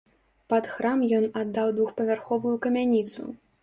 Пад храм ён аддаў двухпавярховую камяніцу.